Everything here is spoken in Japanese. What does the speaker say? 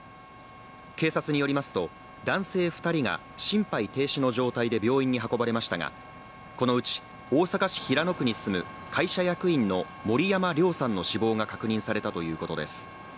警察によりますと男性２人が心肺停止の状態で病院に運ばれましたがこのうち大阪府平野区に住む会社役員の森山亮さんの死亡が確認されたということです。